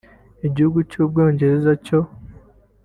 Igihugu cy’u Bwongereza cyo